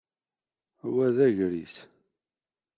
Wa d agris.